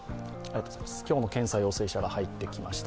今日の検査陽性者が入ってきました。